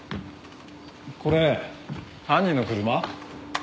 これ犯人の車？